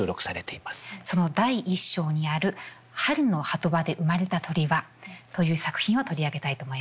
その第一章にある「春ノ波止場デウマレタ鳥ハ」という作品を取り上げたいと思います。